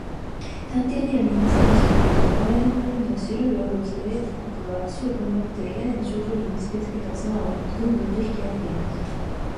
探偵には見えませんでしたけれど、大屋根の上には、白い上着を着た例のコックが、足をふんばって、屋根の頂上にむすびつけた綱を、グングンと引きあげています。